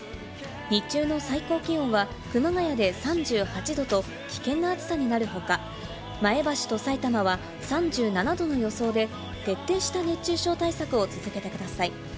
日中の最高気温は熊谷で３８度と危険な暑さになる他、前橋と埼玉は３７度の予想で、徹底した熱中症対策を続けてください。